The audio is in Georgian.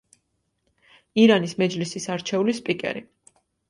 ირანის მეჯლისის არჩეული სპიკერი.